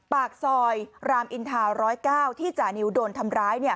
ปากซอยรามอินทาวร้อยเก้าที่จานิวโดนทำร้าย